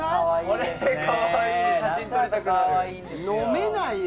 これかわいい写真撮りたくなる飲めないよ